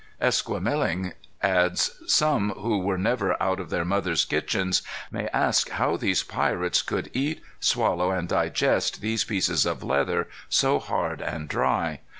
Esquemeling adds, "Some who were never out of their mothers' kitchens may ask how these pirates could eat, swallow, and digest those pieces of leather so hard and dry?